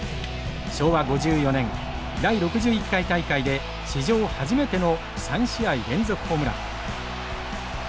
昭和５４年第６１回大会で史上初めての３試合連続ホームラン。